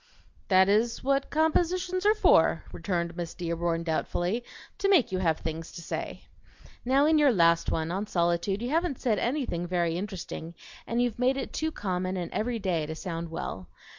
"That is what compositions are for," returned Miss Dearborn doubtfully; "to make you have things to say. Now in your last one, on solitude, you haven't said anything very interesting, and you've made it too common and every day to sound well.